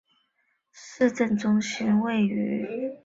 行政中心位于瑙沙罗费洛兹市。